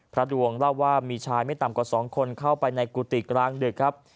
ดวงเล่าว่ามีชายไม่ต่ำกว่า๒คนเข้าไปในกุฏิกลางดึกครับ